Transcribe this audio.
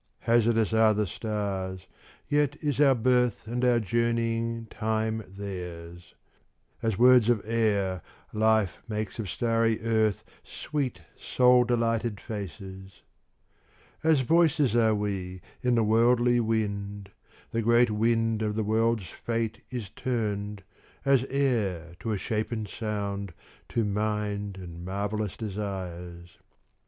Hazardous are the stars, yet is our birth And our journeying time theirs; As words of air, life makes of starry earth Sweet soul delighted faces; As voices are we in the worldly wind; The great wind of the world's fate Is turned, as air to a shapen sound, to mind And marvellous desires.